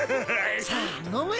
さあ飲め。